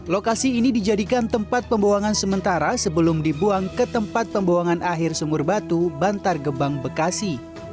lokasi ini dijadikan tempat pembuangan sementara sebelum dibuang ke tempat pembuangan akhir sumur batu bantar gebang bekasi